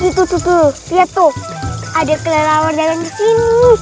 itu tuh lihat tuh ada kelerawan jalan kesini